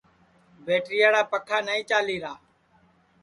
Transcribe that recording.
بیٹریاڑا پکھا نائی چالیرا